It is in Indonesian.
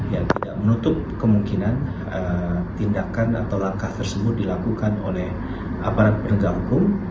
yang tidak menutup kemungkinan tindakan atau langkah tersebut dilakukan oleh aparat penegak hukum